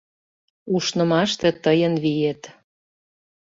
Ушнымаште — тыйын виет